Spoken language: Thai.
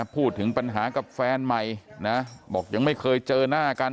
พูดถึงปัญหากับแฟนใหม่นะบอกยังไม่เคยเจอหน้ากัน